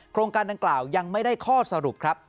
โครงการดังกล่าวยังไม่ได้ข้อสรุปครับ